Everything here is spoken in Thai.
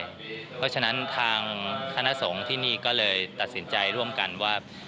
เพราะฉะนั้นทางคณะสงฆ์ที่นี่ก็เลยตัดสินใจร่วมกันว่า